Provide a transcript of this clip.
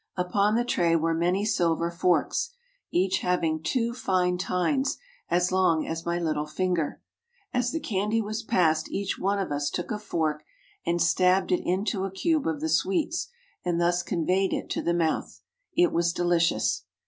Upon the tray were many silver forks, each having two fine tines as long as my little finger. As the candy was passed each one of us took a fork and stabbed it into a cube of the sweets, and thus conveyed it to the mouth. It was delicious.